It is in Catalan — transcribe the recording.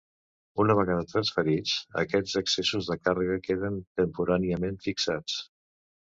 Una vegada transferits, aquests excessos de càrrega queden temporàniament fixats.